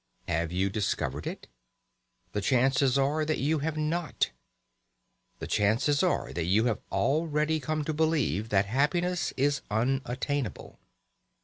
Have you discovered it? The chances are that you have not. The chances are that you have already come to believe that happiness is unattainable.